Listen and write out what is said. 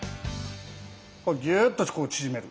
ギューッとここ縮める。